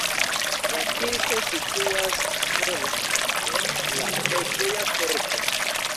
La kirko situas sola en la preĝeja korto.